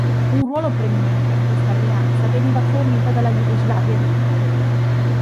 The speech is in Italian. Un ruolo preminente in questa alleanza veniva fornito dalla Jugoslavia di Tito.